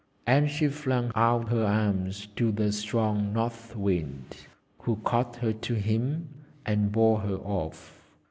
And she flung out her arms to the strong North Wind, who caught her to him and bore her off.